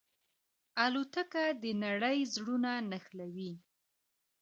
الوتکه د نړۍ زړونه نښلوي.